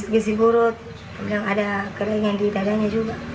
gizi buruk ada kering di dadanya juga